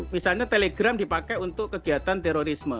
misalnya telegram dipakai untuk kegiatan terorisme